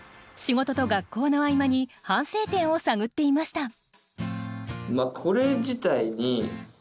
仕事と学校の合間に反省点を探っていました。